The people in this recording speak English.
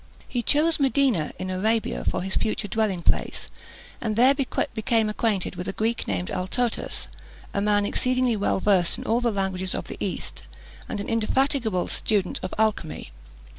He chose Medina, in Arabia, for his future dwelling place, and there became acquainted with a Greek named Altotas, a man exceedingly well versed in all the languages of the East, and an indefatigable student of alchymy.